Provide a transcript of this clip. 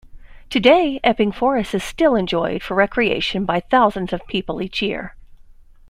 Today, Epping Forest is still enjoyed for recreation by thousands of people each year.